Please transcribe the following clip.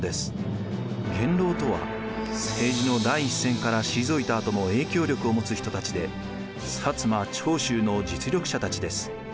元老とは政治の第一線から退いたあとも影響力を持つ人たちで摩・長州の実力者たちです。